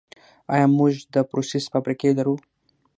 آیا موږ د پروسس فابریکې لرو؟